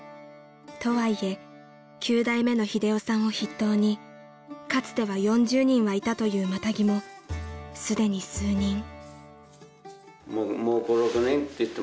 ［とはいえ９代目の英雄さんを筆頭にかつては４０人はいたというマタギもすでに数人］